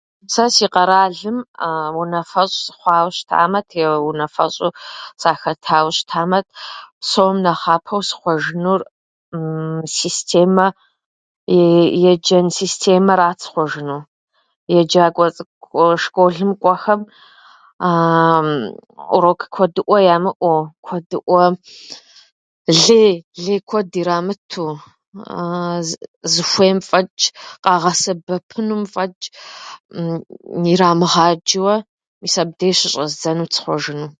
Сэ си къэралым унэфэщӏ сыхъуауэ щытамэ, теу- унэфэщӏу сахэтауэ щытамэ, псом нэхъапэу схъуэжынур системэ, и- еджэн системэрат схъуэжынур. Еджакӏуэ цӏыкӏу школым кӏуэхэм урок куэдыӏуэ ямыӏэу, куэдыӏуэ лей, лей куэд ирамыту, зыхуейм фӏэчӏ къагъэсэбэпынум фӏэчӏ ирамыгъаджэуэ, мис абдей щыщӏэздзэнут схъуэжыну.